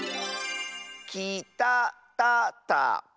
「きたたたか」！